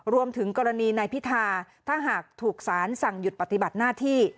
รวมถึงกรณีนายพิธาถ้าหากถูกสารสั่งหยุดปฏิบัติหน้าที่